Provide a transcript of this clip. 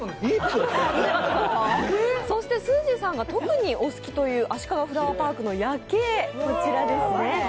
そしてすーじーさんが特にお好きだというあしかがフラワーパークの夜景、こちらですね。